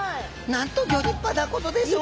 なんとギョ立派なことでしょう。